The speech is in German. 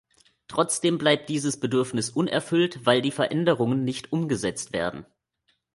Trotzdem bleibt dieses Bedürfnis unerfüllt, weil die Veränderungen nicht umgesetzt werden.